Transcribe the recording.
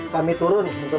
kami turun untuk membantu